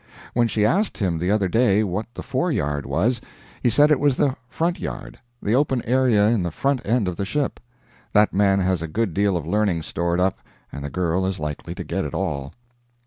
When she asked him the other day what the fore yard was, he said it was the front yard, the open area in the front end of the ship. That man has a good deal of learning stored up, and the girl is likely to get it all.